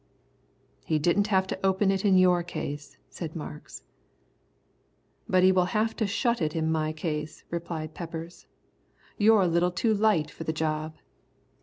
"He didn't have to open it in your case," said Marks. "But He will have to shut it in my case," replied Peppers; "you're a little too light for the job."